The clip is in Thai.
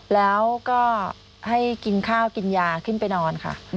แล้วก็ให้กินข้าวกินยาขึ้นไปนอนค่ะ